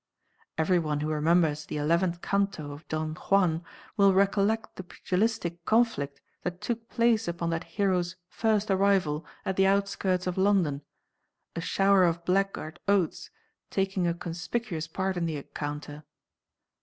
Everyone who remembers the eleventh canto of Don Juan will recollect the pugilistic conflict that took place upon that hero's first arrival at the outskirts of London, a shower of blackguard oaths taking a conspicuous part in the encounter.